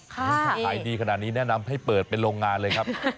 ขายดีขนาดนี้แนะนำให้เปิดเป็นโรงงานเลยครับ